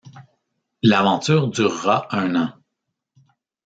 L’aventure durera un an.